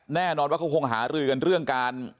แน่นอนว่าเขาคงหารือกันเรื่องการ